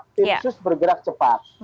tim sus bergerak cepat